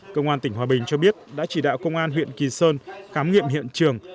cơ quan tỉnh hòa bình cho biết đã chỉ đạo công an huyện kỳ sơn khám nghiệm hiện trường